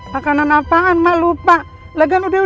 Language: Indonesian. makanan apaan mak lupa lagang udah beli